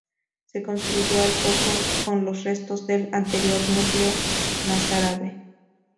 Se reconstruyó al poco con los restos del anterior núcleo mozárabe.